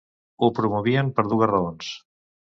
Ho promovien per dues raons.